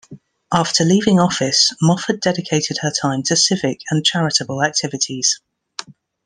After leaving office, Mofford dedicated her time to civic and charitable activities.